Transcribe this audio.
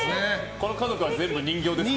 この家族は全部人形ですか？